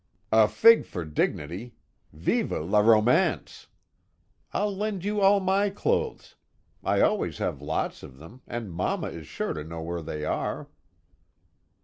"A fig for Dignity! Vive la Romance! I'll lend you all my clothes. I always have lots of them, and mamma is sure to know where they are."